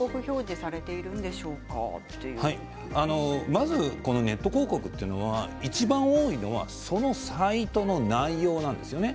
まずネット広告というのはいちばん多いのはそのサイトの内容なんです。